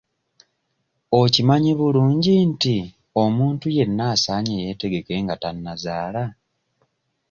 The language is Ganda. Okimanyi bulungi nti omuntu yenna asaanye yeetegeke nga tannazaala?